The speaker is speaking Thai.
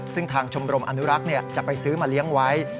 ซึ่งทางชมรมอนุรักษ์จะไปซื้อมาเลี้ยงไว้